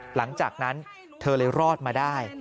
หลังจากนั้นเธอเลยรอดมาได้